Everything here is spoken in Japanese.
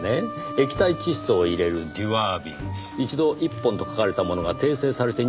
液体窒素を入れるデュワー瓶一度１本と書かれたものが訂正されて２本になっていますね。